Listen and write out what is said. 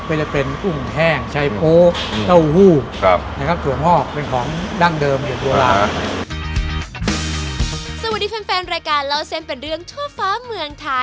ก็จะเป็นกุ้งแห้งไชโป้เต้าหู้